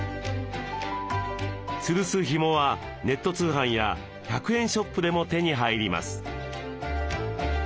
つるすヒモはネット通販や１００円ショップでも手に入ります。